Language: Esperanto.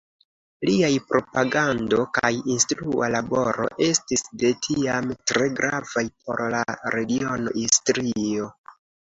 Liaj propagando kaj instrua laboro estis de tiam tre gravaj por la regiono Istrio.